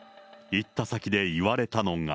行った先で言われたのが。